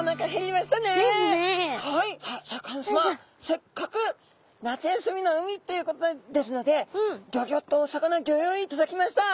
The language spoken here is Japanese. せっかく夏休みの海ということですのでギョギョッとお魚ギョ用意いただきました。